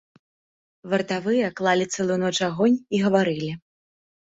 Вартавыя клалі цэлую ноч агонь і гаварылі.